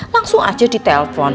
langsung aja ditelepon